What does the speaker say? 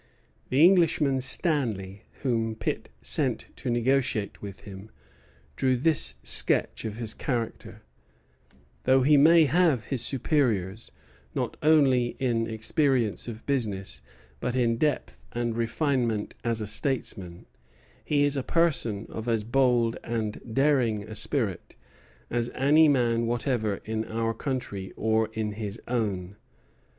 The Englishman Stanley, whom Pitt sent to negotiate with him, drew this sketch of his character: "Though he may have his superiors, not only in experience of business, but in depth and refinement as a statesman, he is a person of as bold and daring a spirit as any man whatever in our country or in his own.